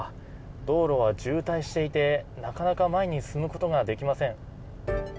道路は渋滞していてなかなか前に進むことができません。